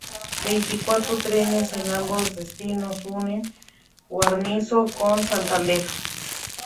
Veinticuatro trenes en ambos destinos unen Guarnizo con Santander.